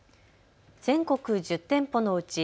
全国１０店舗のうち